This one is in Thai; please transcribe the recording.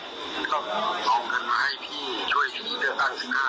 ที่เขาจะต้องเข้ามันมาหาพี่มันเป็นเพื่อนพี่